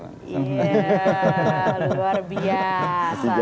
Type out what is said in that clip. iya luar biasa